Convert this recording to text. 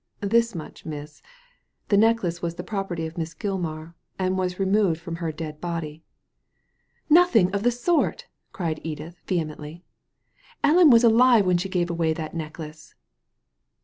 '*'* This much, miss. The necklace was the property of Miss Gilmar, and was removed from her dead body." " Nothing of the sort 1 " cried Edith, vehemently. "Ellen was alive when she gave away that neck lace."